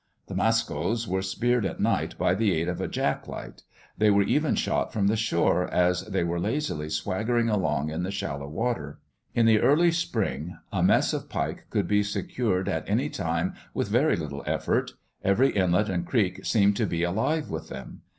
The "mascos" were speared at night by the aid of a jack light; they were even shot from the shore as they were lazily swaggering along in the shallow water. In the early spring, a mess of pike could be secured at any time with very little effort; every inlet and creek seemed to be alive with them.